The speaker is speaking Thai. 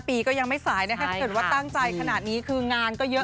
๕ปีก็ยังไม่สายนะคะเผื่อว่าตั้งใจขนาดนี้คืองานก็เยอะ